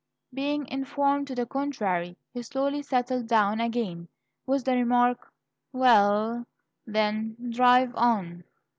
Being informed to the contrary, he slowly settled down again, with the remark, "W e l l, then, drive on."